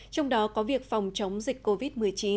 trong đó có việc phòng chống dịch covid một mươi chín